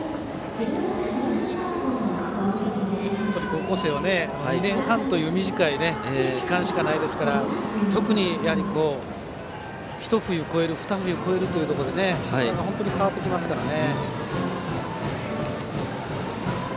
高校生は２年半という短い期間しかないですから特に、ひと冬、ふた冬越えると本当に変わってきますからね。